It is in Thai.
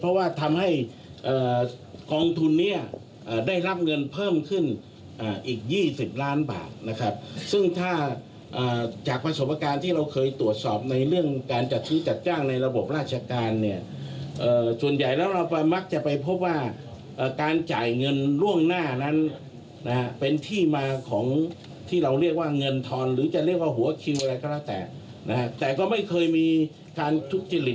เพราะว่าทำให้กองทุนเนี่ยได้รับเงินเพิ่มขึ้นอีก๒๐ล้านบาทนะครับซึ่งถ้าจากประสบการณ์ที่เราเคยตรวจสอบในเรื่องการจัดซื้อจัดจ้างในระบบราชการเนี่ยส่วนใหญ่แล้วเรามักจะไปพบว่าการจ่ายเงินล่วงหน้านั้นนะฮะเป็นที่มาของที่เราเรียกว่าเงินทอนหรือจะเรียกว่าหัวคิวอะไรก็แล้วแต่นะฮะแต่ก็ไม่เคยมีการทุจริต